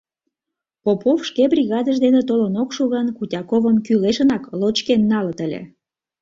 Попов шке бригадыж дене толын ок шу гын, Кутяковым кӱлешынак лочкен налыт ыле.